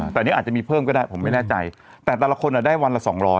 แต่อันนี้อาจจะมีเพิ่มก็ได้ผมไม่แน่ใจแต่แต่ละคนได้วันละ๒๐๐